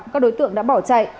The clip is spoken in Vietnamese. các đối tượng đã bỏ chạy